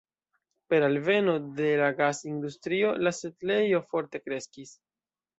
Per alveno de la gas-industrio, la setlejo forte kreskis.